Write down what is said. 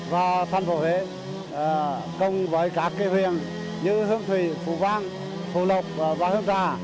và thân phổ huế cùng với các cây huyền như hương thủy phủ vang phủ lục và hương trà